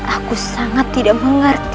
aku sangat tidak mengerti